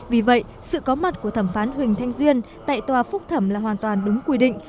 vì vậy sự có mặt của thẩm phán huỳnh thanh duyên tại tòa phúc thẩm là hoàn toàn đúng quy định